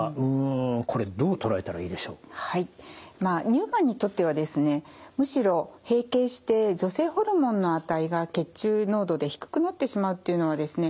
乳がんにとってはですねむしろ閉経して女性ホルモンの値が血中濃度で低くなってしまうっていうのはですね